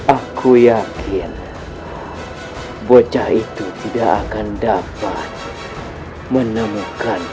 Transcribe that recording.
aku yakin bocah itu tidak akan dapat menemukan